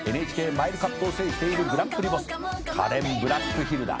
「ＮＨＫマイルカップを制しているグランプリボス」「カレンブラックヒルだ」